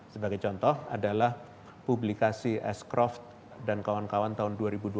sebagai contoh adalah publikasi scrov dan kawan kawan tahun dua ribu dua puluh